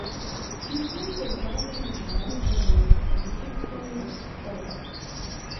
He played the violin well and was an excellent scholar.